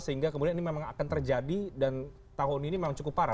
sehingga kemudian ini memang akan terjadi dan tahun ini memang cukup parah